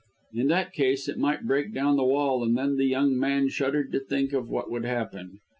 In that case it might break down the wall, and then the young man shuddered to think of what would happen.